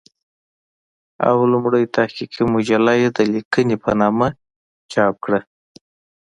او لومړۍ تحقيقي مجله يې د "ليکنې" په نامه چاپ کړه